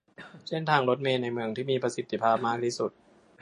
เส้นทางรถเมล์ในเมืองที่มีประสิทธิภาพมากที่สุด